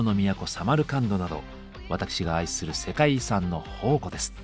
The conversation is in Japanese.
サマルカンドなど私が愛する世界遺産の宝庫です。